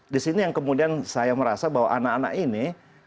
di sini yang kemudian saya merasa bahwa anak anak ini